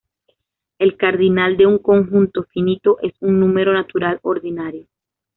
El cardinal de un conjunto finito es un número natural ordinario.